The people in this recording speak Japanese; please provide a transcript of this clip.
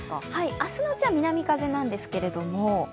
明日のうちは南風なんですけれども。